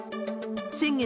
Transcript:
先月、